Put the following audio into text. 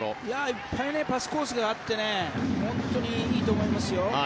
いっぱいパスコースがあって本当にいいと思いますよ。